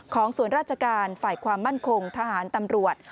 ของส่วนราชการฝ่ายความมั่นคงทหารตำรวจ